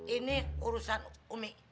ini urusan umi